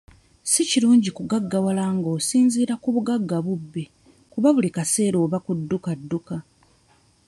Si kirungi kugaggawala nga osinziira ku bugagga bubbe kuba buli kaseera oba mu dduka dduka.